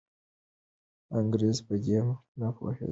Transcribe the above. انګریزان په دې نه پوهېدل.